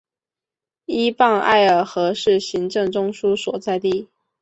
依傍艾尔河是行政中枢所在地。